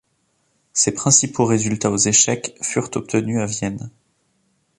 Ses principaux résultats aux échecs furent obtenus à Vienne.